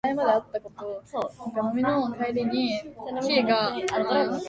自分に優しく人にはもっと優しく